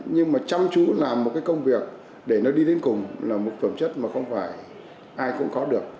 nhưng mà chăm chú làm một cái công việc để nó đi đến cùng là một phẩm chất mà không phải ai cũng có được